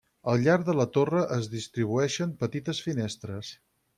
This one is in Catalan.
Al llarg de la torre es distribueixen petites finestres.